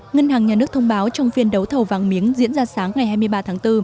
ngân hàng nhà nước thông báo trong phiên đấu thầu vàng miếng diễn ra sáng ngày hai mươi ba tháng bốn